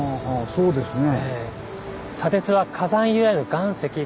そうですね。